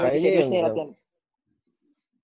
kayaknya yang serius nih latihan